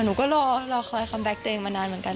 หนูก็รอคอยคัมแก๊กตัวเองมานานเหมือนกัน